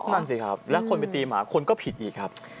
นั่นสิครับแล้วคนไปตีหมาคนก็ผิดอีกครับ